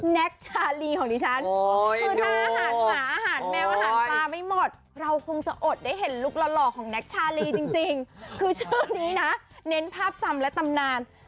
แน็กชาลีของดิฉัน